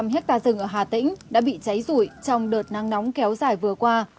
ba trăm linh hectare rừng ở hà tĩnh đã bị cháy rủi trong đợt nắng nóng kéo dài vừa qua